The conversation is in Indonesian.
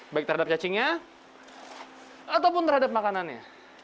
baik terhadap cacingnya ataupun terhadap makanannya